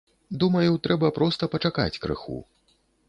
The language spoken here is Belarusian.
Думаю, трэба проста пачакаць крыху.